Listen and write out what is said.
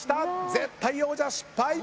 絶対王者失敗。